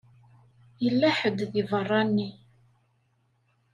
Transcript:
Yella ḥedd deg beṛṛa-nni.